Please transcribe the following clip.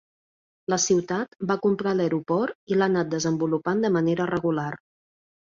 La ciutat va comprar l'aeroport i l'ha anat desenvolupant de manera regular.